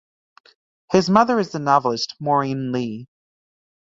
His mother is the novelist Maureen Lee.